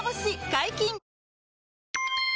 解禁‼